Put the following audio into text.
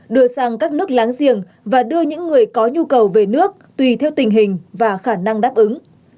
đưa sang các nước láng giềng và đưa những người có nhu cầu về nước tùy theo tình hình và khả năng đáp ứng